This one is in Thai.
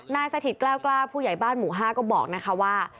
สถิตกล้าวกล้าผู้ใหญ่บ้านหมู่๕ก็บอกนะคะว่า